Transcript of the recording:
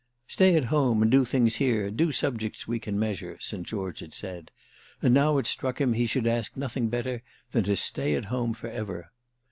"Stay at home and do things here—do subjects we can measure," St. George had said; and now it struck him he should ask nothing better than to stay at home for ever.